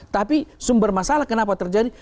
tapi sumber masalah kenapa terjadi